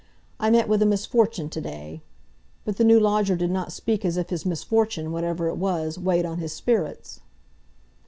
I met with a misfortune to day." But the new lodger did not speak as if his misfortune, whatever it was, weighed on his spirits.